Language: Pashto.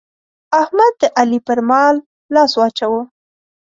احمد د علي پر مال لاس واچاوو.